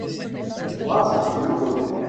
Moi, je suis heureux.